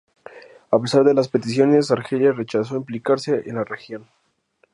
A pesar de las peticiones, Argelia rechazó implicarse en la región.